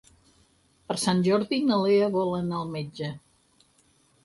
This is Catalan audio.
Per Sant Jordi na Lea vol anar al metge.